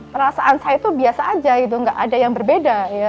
perasaan saya itu biasa aja gitu nggak ada yang berbeda